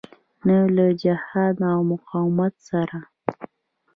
نه له جهاد او مقاومت سره.